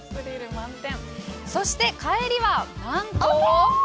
そして帰りは、なんと？